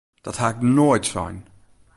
Dat ha ik noait sein!